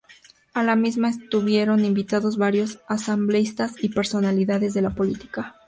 A la misma estuvieron invitados varios asambleístas y personalidades de la política.